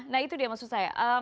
nah itu dia maksud saya